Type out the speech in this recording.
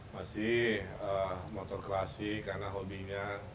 masih motor klasik karena hobinya